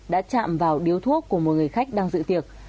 đã chạm vào điếu thuốc của một người khách đang dự tiệc